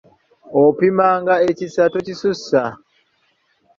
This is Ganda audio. Opimanga ekisa, tokisussa.